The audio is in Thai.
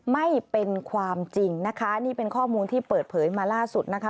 ไม่เป็นความจริงนะคะนี่เป็นข้อมูลที่เปิดเผยมาล่าสุดนะคะ